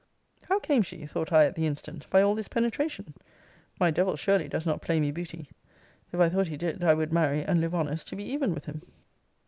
How came she, (thought I, at the instant,) by all this penetration? My devil surely does not play me booty. If I thought he did, I would marry, and live honest, to be even with him.